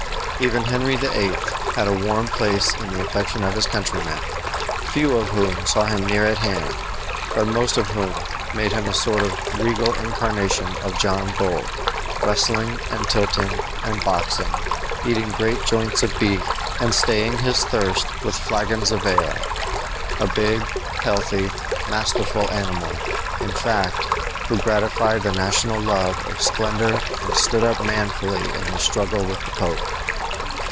Even Henry VIII. had a warm place in the affection of his countrymen, few of whom saw him near at hand, but most of whom made him a sort of regal incarnation of John Bull wrestling and tilting and boxing, eating great joints of beef, and staying his thirst with flagons of ale a big, healthy, masterful animal, in fact, who gratified the national love of splendor and stood up manfully in his struggle with the Pope.